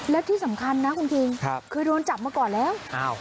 แล้วที่สำคัญนะคุณคิงเคยโดนจับมาก่อนแล้ว